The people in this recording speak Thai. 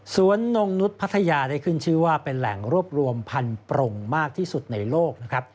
นงนุษย์พัทยาได้ขึ้นชื่อว่าเป็นแหล่งรวบรวมพันธรงมากที่สุดในโลกนะครับ